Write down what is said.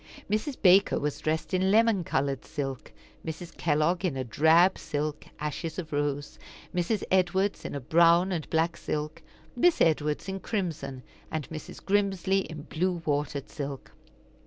Mrs. Baker was dressed in lemon colored silk; Mrs. Kellogg in a drab silk, ashes of rose; Mrs. Edwards in a brown and black silk; Miss Edwards in crimson, and Mrs. Grimsly in blue watered silk.